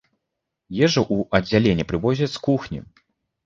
Ежу ў аддзяленне прывозяць з кухні.